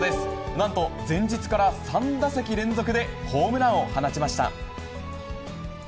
なんと前日から３打席連続でホームランを放ちました。